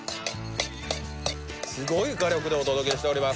すごい火力でお届けしております